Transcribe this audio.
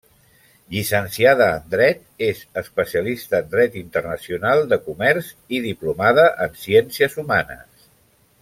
Llicenciada en Dret, és especialista en Dret Internacional de Comerç i diplomada en Ciències Humanes.